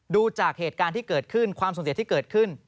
ดูจากเหตุการณ์ที่เกิดขึ้นความสูญเสียที่เกิดขึ้น